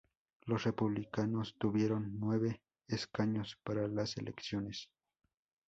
Los republicanos tuvieron nueve escaños para las elecciones.